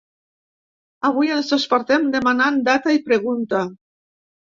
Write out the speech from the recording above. Avui ens despertem demanant data i pregunta!